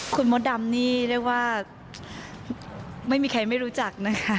คุณมดดำนี่เรียกว่าไม่มีใครไม่รู้จักนะคะ